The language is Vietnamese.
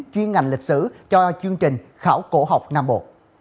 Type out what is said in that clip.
chuyên ngành lịch sử cho chương trình khảo cổ học nam bộ